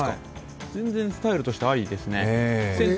全然スタイルとしてありですね。